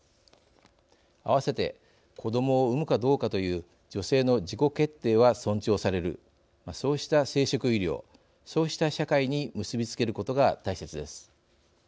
合わせて子どもを産むかどうかという女性の自己決定は尊重されるそうした生殖医療そうした社会に結び付けることが大切です。